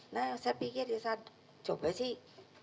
nah saya pikir ya saya coba sih